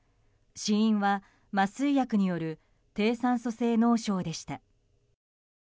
死因は麻酔薬による低酸素性脳症でした。